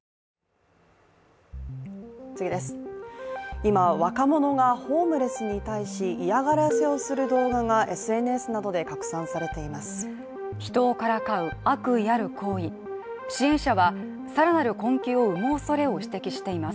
今、若者がホームレスに対し嫌がらせをする動画がＳＮＳなどで拡散されています。